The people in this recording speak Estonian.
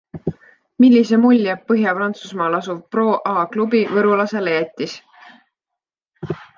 Millise mulje Põhja-Prantsusmaal asuv Pro A klubi võrulasele jättis?